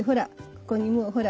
ここにもうほら。